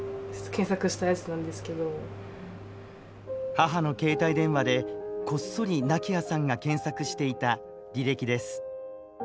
母の携帯電話でこっそり菜希亜さんが検索していた履歴です。